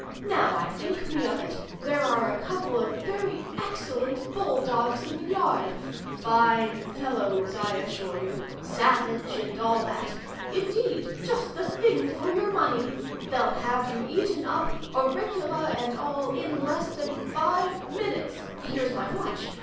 Now I think me of it, there are a couple of very excellent bull dogs in the yard—fine fellows, I assure you—savage, and all that—indeed just the thing for your money—they'll have you eaten up, auricula and all, in less than five minutes (here's my watch!)